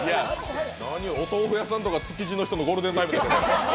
お豆腐屋さんとか、築地の人のゴールデンタイムですよ。